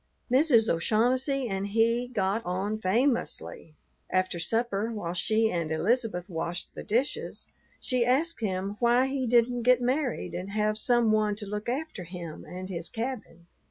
Mrs. O'Shaughnessy and he got on famously. After supper, while she and Elizabeth washed the dishes, she asked him why he didn't get married and have some one to look after him and his cabin.